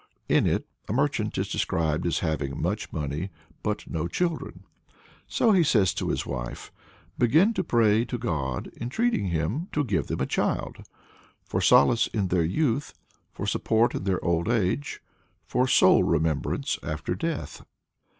In it a merchant is described as having much money but no children. So he and his wife "began to pray to God, entreating him to give them a child for solace in their youth, for support in their old age, for soul remembrance after death.